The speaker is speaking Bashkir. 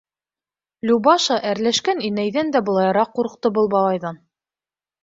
Любаша әрләшкән инәйҙән дә былайыраҡ ҡурҡты был бабайҙан.